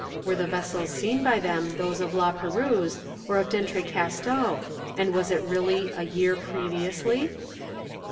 Were the vessels seen by them those of La Perouse or of D'Entrecasteaux: and was it really "a year previously"?